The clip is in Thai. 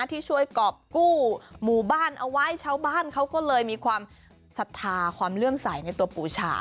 ที่ช่วยกรอบกู้หมู่บ้านเอาไว้ชาวบ้านเขาก็เลยมีความศรัทธาความเลื่อมใสในตัวปูชา